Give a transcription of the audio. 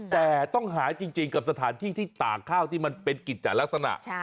แต่ต้องหาจริงกับสถานที่ที่ตากข้าวที่มันเป็นกิจจัดลักษณะ